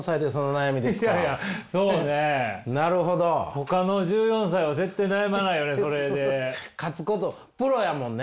ほかの１４歳は絶対悩まないよね